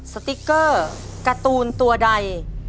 สติ๊กเกอร์การ์ตูนตัวใด